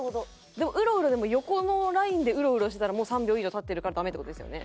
でもウロウロ横のラインでウロウロしてたらもう３秒以上経ってるからダメって事ですよね？